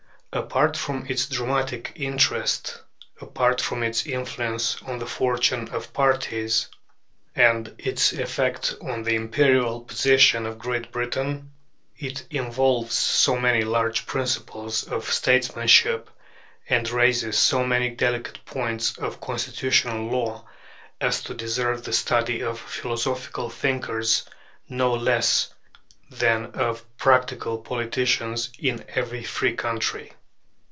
Apart from its dramatic interest, apart from its influence on the fortune of parties, and its effect on the imperial position of Great Britain, it involves so many large principles of statesmanship, and raises so many delicate points of constitutional law, as to deserve the study of philosophical thinkers no less than of practical politicians in every free country.